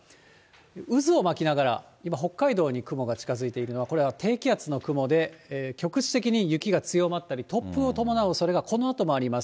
渦を巻きながら、今、北海道に雲が近づいているのは、これは低気圧の雲で、局地的に雪が強まったり、突風を伴うおそれが、このあともあります。